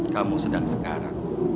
kamu sedang sekarang